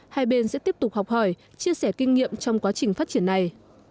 hai bên sẽ tiếp tục học hỏi chia sẻ kinh nghiệm trong quá trình phát triển này